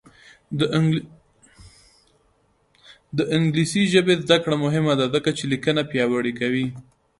د انګلیسي ژبې زده کړه مهمه ده ځکه چې لیکنه پیاوړې کوي.